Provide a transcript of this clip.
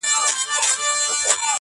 نن خو مې لږ پوه کړه، سبا څۀ مطلب